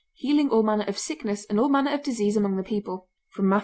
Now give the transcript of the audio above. healing all manner of sickness and all manner of disease among the people," _Matt.